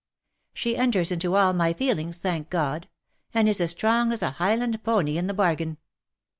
She enters into all my feelings ! thank God ! and is as strong as a Highland pony into the bargain."